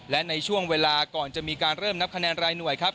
และในช่วงเวลาก่อนจะมีการเริ่มนับคะแนนรายหน่วยครับ